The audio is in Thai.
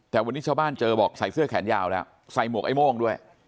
แต่วันนี้ชาวบ้านเจอบอกใส่เสื้อแขนยาวแล้วใส่หมวกไอ้โม่งด้วย